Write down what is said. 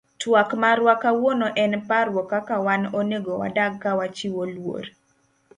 Twak marwa kawuono en parrouk kaka wan onego wadak kawachiwo luor.